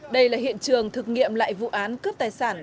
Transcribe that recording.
đây là hiện trường thực nghiệm lại vụ án cướp tài sản